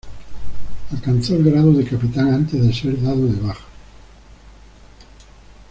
Alcanzó el grado de capitán antes de ser dado de baja.